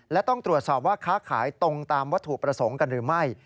และต้องตรวจสอบว่าค้าขายตรงตามวัตถุประสงค์กันหรือไม่